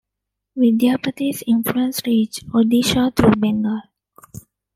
Vidyapati's influence reached Odisha through Bengal.